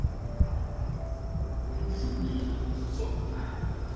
１２の３！